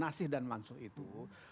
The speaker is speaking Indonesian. nasih dan mansoh itu